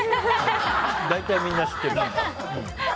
大体みんな知ってる。